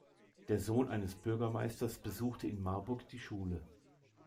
Der Sohn eines Bürgermeisters besuchte in Marburg die Schule.